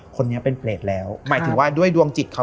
คนนี้เป็นเปรตแล้วหมายถึงว่าด้วยดวงจิตเขา